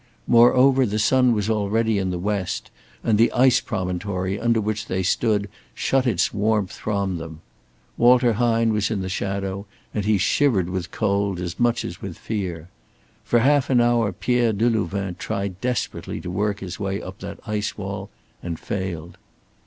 Moreover, the sun was already in the West, and the ice promontory under which they stood shut its warmth from them. Walter Hine was in the shadow, and he shivered with cold as much as with fear. For half an hour Pierre Delouvain tried desperately to work his way up that ice wall, and failed.